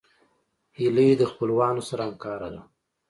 هیلۍ د خپلوانو سره همکاره ده